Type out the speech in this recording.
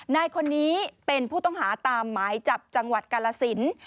นายคนนี้เป็นผู้ต้องหาตามหมายจับจังหวัดกาลสิน